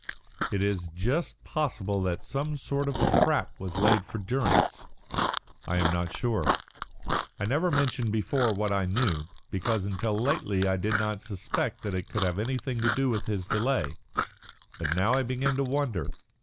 It is just possible that some sort of trap was laid for Durrance. I am not sure. I never mentioned before what I knew, because until lately I did not suspect that it could have anything to do with his delay. But now I begin to wonder.